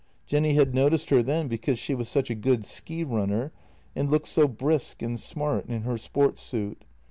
Jenny had noticed her then because she was such a good ski runner and looked so brisk and smart in her sport suit.